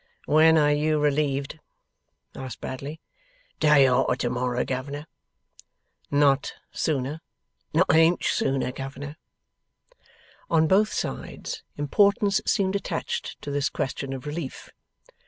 'When are you relieved?' asked Bradley. 'Day arter to morrow, governor.' 'Not sooner?' 'Not a inch sooner, governor.' On both sides, importance seemed attached to this question of relief.